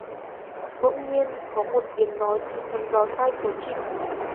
Bỗng nhiên có một tiếng nói thì thầm vào tai của Trinh